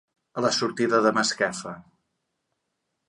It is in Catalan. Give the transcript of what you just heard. A la sortida de Masquefa.